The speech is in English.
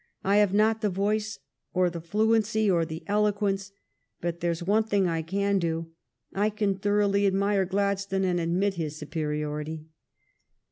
I have not the voice or the fluency or the eloquence. But there is one thing I can do; I can thoroughly admire Gladstone, and admit his superiority."